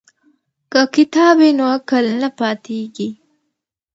که کتاب وي نو عقل نه پاتیږي.